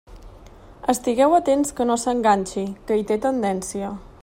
Estigueu atents que no s'enganxi, que hi té tendència.